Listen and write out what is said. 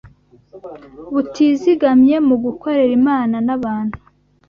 butizigamye mu gukorera Imana n’abantu